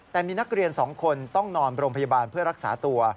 แต่มีนักเรียน๒คนต้องนอนโรงพยาบาลเพื่อรักษาตัว